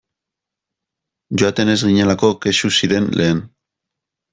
Joaten ez ginelako kexu ziren lehen.